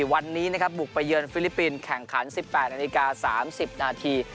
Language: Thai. วันนี้นะครับบุกไปเยือนฟิลิปปินส์แข่งขัน๑๘นาฬิกา๓๐นาที